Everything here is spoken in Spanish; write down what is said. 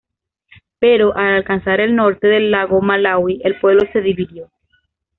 Pero al alcanzar el norte del lago Malaui, el pueblo se dividió.